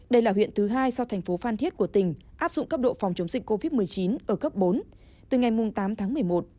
đây là huyện thứ hai sau thành phố phan thiết của tỉnh áp dụng cấp độ phòng chống dịch covid một mươi chín ở cấp bốn từ ngày tám tháng một mươi một